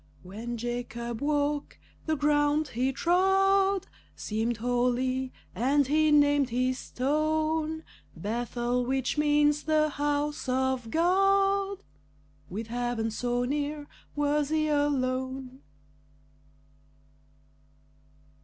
When Jacob woke, the ground he trod Seemed holy; and he named his stone "Bethel," which means "the house of God." With heaven so near, was he alone?